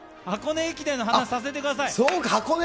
箱根駅伝の話させてください。